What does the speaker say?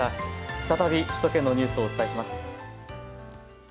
再び、首都圏のニュースをお伝えします。